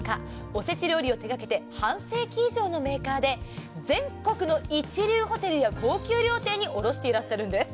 おせち料理を手がけて半世紀以上のメーカーで全国の一流ホテルや高級料亭に卸していらっしゃるんです。